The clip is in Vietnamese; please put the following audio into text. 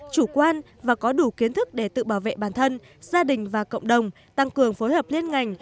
chủ quan và có đủ kiến thức để tự bảo vệ bản thân gia đình và cộng đồng tăng cường phối hợp liên ngành